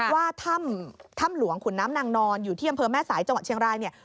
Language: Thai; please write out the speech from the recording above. ว่าถ้ำหลวงขุนน้ำนางนอนอยู่ที่อำเภอแม่สายจังหวัดเชียงรายเนี่ย